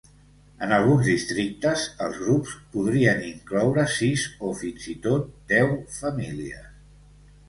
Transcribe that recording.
En alguns districtes, els grups podrien incloure sis, o fins i tot deu, famílies.